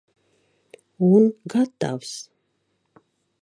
Un gatavs!